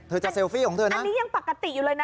เธอจะเซลฟี่ของเธอนะอันนี้ยังปกติอยู่เลยนะ